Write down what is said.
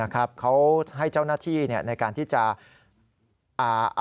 เขาให้เจ้าหน้าที่ในการที่จะอ่า